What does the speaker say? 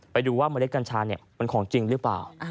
ไปดูว่าเมล็ดกัญชามันของจริงหรือเปล่า